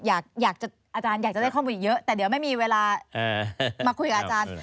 อยากจะอาจารย์อยากจะได้ข้อมูลอีกเยอะแต่เดี๋ยวไม่มีเวลามาคุยกับอาจารย์